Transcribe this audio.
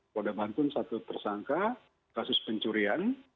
polda mantun satu tersangka kasus pencurian